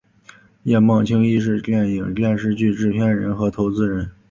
叶茂菁亦是电影电视剧制片人和投资人。